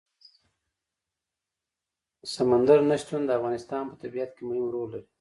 سمندر نه شتون د افغانستان په طبیعت کې مهم رول لري.